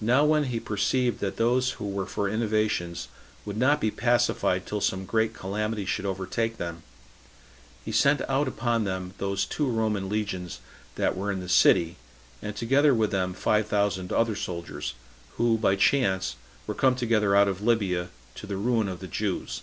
Now when he perceived that those who were for innovations would not be pacified till some great calamity should overtake them, he sent out upon them those two Roman legions that were in the city, and together with them five thousand other soldiers, who, by chance, were come together out of Libya, to the ruin of the Jews.